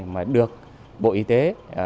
mà được bộ y tế